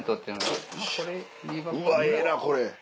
うわええなこれ。